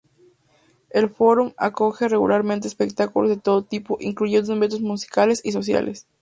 El Forum acoge regularmente espectáculos de todo tipo, incluyendo eventos musicales y sociales.